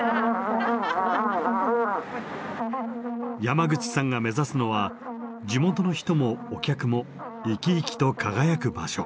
山口さんが目指すのは地元の人もお客も生き生きと輝く場所。